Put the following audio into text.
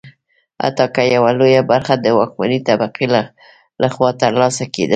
حتی که یوه لویه برخه د واکمنې طبقې لخوا ترلاسه کېدلی.